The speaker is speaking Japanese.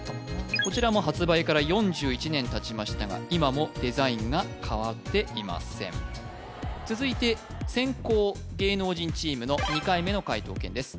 こちらも発売から４１年たちましたが今もデザインが変わっていません続いて先攻芸能人チームの２回目の解答権です